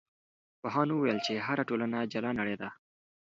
پوهانو وویل چې هره ټولنه جلا نړۍ ده.